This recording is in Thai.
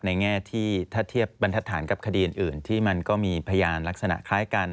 แง่ที่ถ้าเทียบบรรทัศนกับคดีอื่นที่มันก็มีพยานลักษณะคล้ายกัน